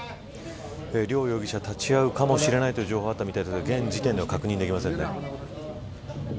両容疑者立ち会うかもしれないという情報があったみたいですが現時点では確認できませんね。